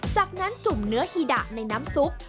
จากนั้นจุ่มเนื้อฮีดะในน้ำซุป